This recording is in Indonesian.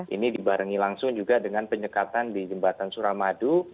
ini dibarengi langsung juga dengan penyekatan di jembatan suramadu